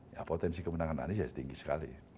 ya potensi kemenangan anies ya tinggi sekali